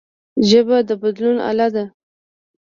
ژبه د بدلون اله ده